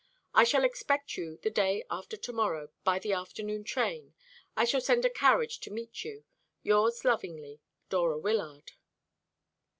I shall expect you the day after to morrow, by the afternoon train. I shall send a carriage to meet you. Yours lovingly, DORA WYLLARD."